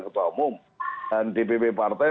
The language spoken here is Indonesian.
ketua umum dan dpp partai